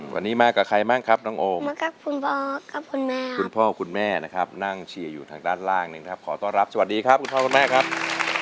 วันนี้มากับใครบ้างครับน้องโอมมาครับคุณพ่อครับคุณแม่คุณพ่อคุณแม่นะครับนั่งเชียร์อยู่ทางด้านล่างนะครับขอต้อนรับสวัสดีครับคุณพ่อคุณแม่ครับ